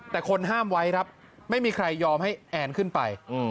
แต่คนห้ามไว้ครับไม่มีใครยอมให้แอนขึ้นไป